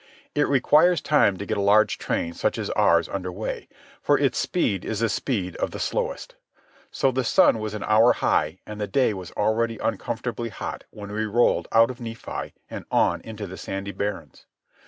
It requires time to get a large train such as ours under way, for its speed is the speed of the slowest. So the sun was an hour high and the day was already uncomfortably hot when we rolled out of Nephi and on into the sandy barrens.